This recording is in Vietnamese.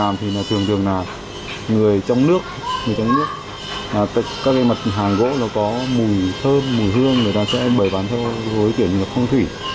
mùi thơm mùi hương người ta sẽ bởi bán theo hối tiện không thủy